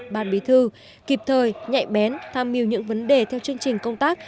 ban bí thư kịp thời nhạy bén tham mưu những vấn đề theo chương trình công tác